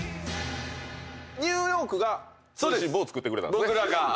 ニューヨークが通信簿を作ってくれたんですね。